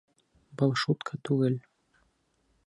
Был шутка түгел.